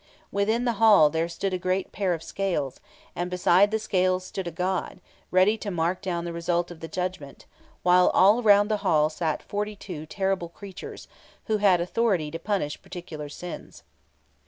Within the Hall there stood a great pair of scales, and beside the scales stood a god, ready to mark down the result of the judgment; while all round the Hall sat forty two terrible creatures, who had authority to punish particular sins.